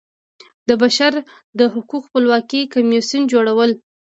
د بشر د حقوقو خپلواک کمیسیون جوړول.